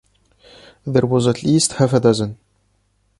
There was at least half a dozen.